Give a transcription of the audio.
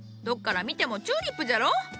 どっから見てもチューリップじゃろう。